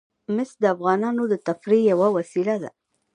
مس د افغانانو د تفریح یوه وسیله ده.